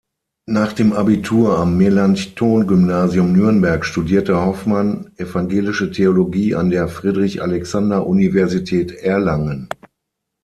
Nach dem Abitur am Melanchthon-Gymnasium Nürnberg studierte Hofmann Evangelische Theologie an der Friedrich-Alexander-Universität Erlangen.